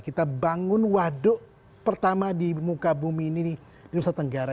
kita bangun waduk pertama di muka bumi ini di nusa tenggara